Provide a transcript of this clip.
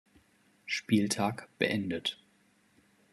Spieltag beendet.